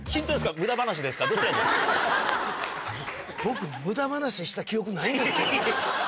僕無駄話した記憶ないんですけど。